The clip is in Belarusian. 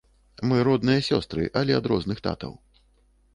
Мы родныя сёстры, але ад розных татаў.